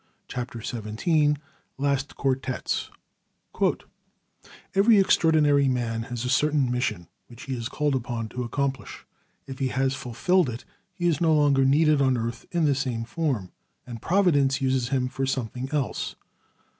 CHAPTER XVII LAST QUARTETS Every extraordinary man has a certain mission, which he is called upon to accomplish. If he has fulfilled it he is no longer needed on earth, in the same form, and Providence uses him for something else.